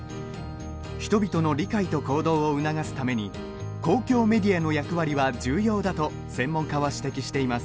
人々の理解と行動を促すために公共メディアの役割は重要だと専門家は指摘しています。